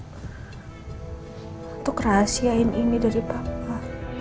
untuk rahasiain ini dari papa